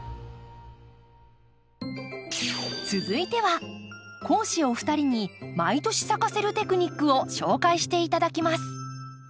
続いては講師お二人に毎年咲かせるテクニックを紹介して頂きます。